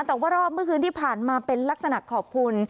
แต่ว่ารอบเมื่อคืนที่ผ่านมาเป็นลักษณะขอบคุณ